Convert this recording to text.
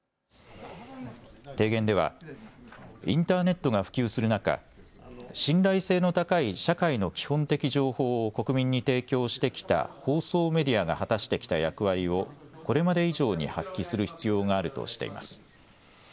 提言ではインターネットが普及する中、信頼性の高い社会の基本的情報を国民に提供してきた放送メディアが果たしてきた役割をこれまで以上に発揮する必要があるとしています。